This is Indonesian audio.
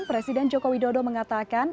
presiden joko widodo mengatakan